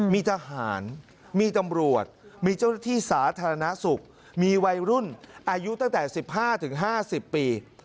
มีทหารมีตำรวจมีเจ้าหน้าที่สาธารณสุขมีวัยรุ่นอายุตั้งแต่๑๕๕๐ปี